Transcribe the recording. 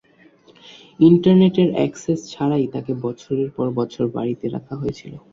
ইন্টারনেটের অ্যাক্সেস ছাড়াই তাকে বছরের পর বছর বাড়িতে রাখা হয়েছিল।